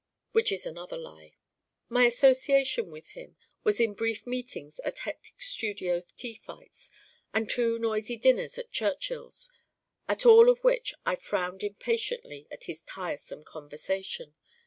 Which is another lie. My association with him was in brief meetings at hectic studio tea fights and two noisy dinners at Churchill's, at all of which I frowned impatiently at his tiresome conversation.